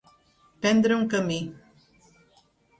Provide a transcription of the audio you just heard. Prendre un camí.